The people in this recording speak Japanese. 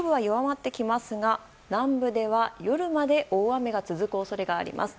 その後、北部は弱まってきますが南部では夜まで大雨が続く恐れがあります。